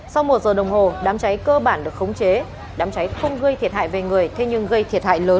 sau một giờ đồng hồ đám cháy cơ bản được khống chế đám cháy không gây thiệt hại về người thế nhưng gây thiệt hại lớn về tài sản